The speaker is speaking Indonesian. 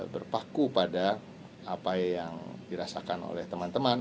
berpaku pada apa yang dirasakan oleh teman teman